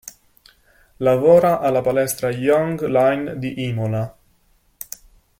Lavora alla palestra Young Line di Imola.